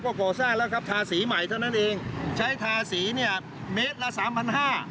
ก็ก่อสร้างแล้วครับทาสีใหม่เท่านั้นเองใช้ทาสีเนี่ยเมตรละสามพันห้า